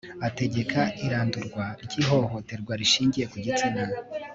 ategeka irandurwa ry'ihohoterwa rishingiye ku gitsina